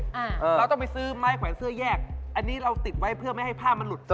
เราต้องไปซื้อไม้แขวนเสื้อแยกอันนี้เราติดไว้เพื่อไม่ให้ผ้ามันหลุด